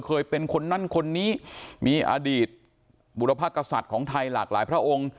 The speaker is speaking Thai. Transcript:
เคยเป็นคนนั้นคนนี้มีอดีตบุรพกษัตริย์ของไทยหลากหลายพระองค์